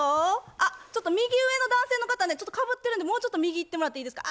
あっちょっと右上の男性の方ねちょっとかぶってるんでもうちょっと右行ってもらっていいですか？